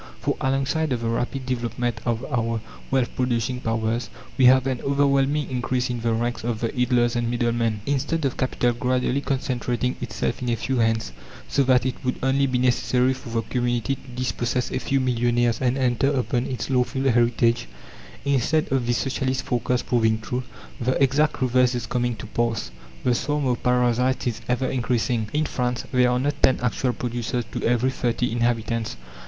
For alongside of the rapid development of our wealth producing powers we have an overwhelming increase in the ranks of the idlers and middlemen. Instead of capital gradually concentrating itself in a few hands, so that it would only be necessary for the community to dispossess a few millionaires and enter upon its lawful heritage instead of this Socialist forecast proving true, the exact reverse is coming to pass: the swarm of parasites is ever increasing. In France there are not ten actual producers to every thirty inhabitants.